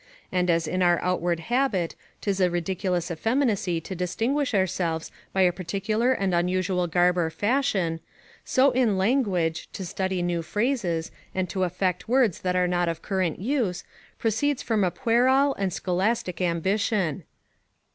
And as in our outward habit, 'tis a ridiculous effeminacy to distinguish ourselves by a particular and unusual garb or fashion; so in language, to study new phrases, and to affect words that are not of current use, proceeds from a puerile and scholastic ambition.